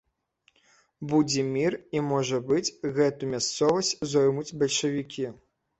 Будзе мір, і, можа быць, гэту мясцовасць зоймуць бальшавікі.